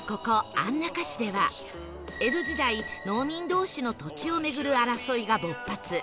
安中市では江戸時代農民同士の土地をめぐる争いが勃発